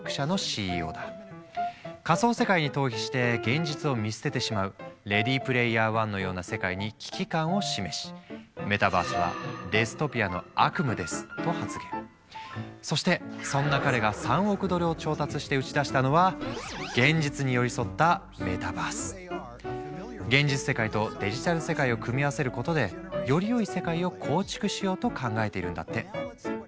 仮想世界に逃避して現実を見捨ててしまう「レディ・プレイヤー１」のような世界に危機感を示しそしてそんな彼が３億ドルを調達して打ち出したのは現実世界とデジタル世界を組み合わせることでよりよい世界を構築しようと考えているんだって。